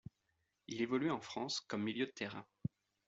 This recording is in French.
Il évoluait en France comme milieu de terrain.